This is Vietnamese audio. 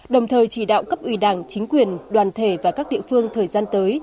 đồng thời chỉ đạo cấp ủy đảng chính quyền đoàn thể và các địa phương thời gian tới